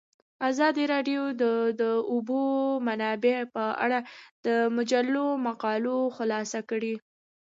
ازادي راډیو د د اوبو منابع په اړه د مجلو مقالو خلاصه کړې.